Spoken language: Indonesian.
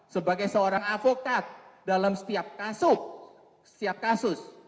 sebagai seorang avokat dalam setiap kasus